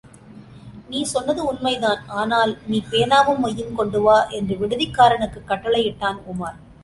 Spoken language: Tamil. நீ சொன்னது உண்மைதான், ஆனால்... நீ... பேனாவும் மையும் கொண்டு வா! என்று விடுதிக்காரனுக்குக் கட்டடளையிட்டான் உமார்.